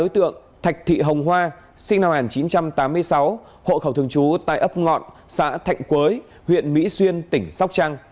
thạch thị hồng hoa sinh năm một nghìn chín trăm tám mươi sáu hộ khẩu thường chú tài ấp ngọn xã thạnh quới huyện mỹ xuyên tỉnh sóc trăng